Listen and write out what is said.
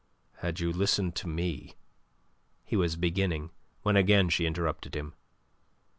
"Had you listened to me..." he was beginning, when again she interrupted him.